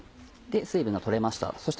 水分が取れました。